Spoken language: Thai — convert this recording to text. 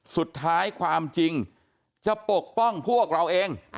สุดท้ายความจริงจะปกป้องพวกเราเอง